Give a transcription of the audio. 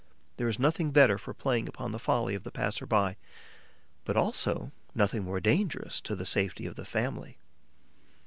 There is nothing better for playing upon the folly of the passer by, but also nothing more dangerous to the safety of the family.